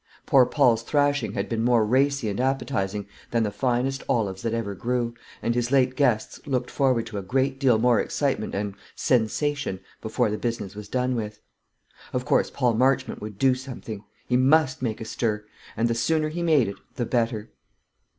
Poor Paul's thrashing had been more racy and appetising than the finest olives that ever grew, and his late guests looked forward to a great deal more excitement and "sensation" before the business was done with. Of course Paul Marchmont would do something. He must make a stir; and the sooner he made it the better.